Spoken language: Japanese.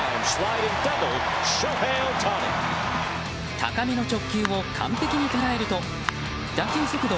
高めの直球を完璧に捉えると打球速度